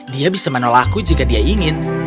dia bisa menolakku jika dia ingin